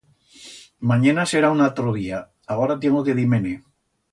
Manyena será un atro día, agora tiengo que dir-me-ne.